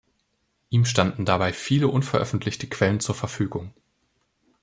Ihm standen dabei viele unveröffentlichte Quellen zur Verfügung.